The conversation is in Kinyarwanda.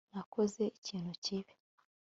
nakoze ikintu kibi